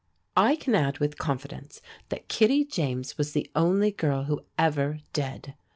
I can add with confidence that Kittie James was the only girl who ever did.